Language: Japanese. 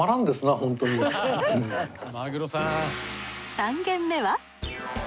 ３軒目は。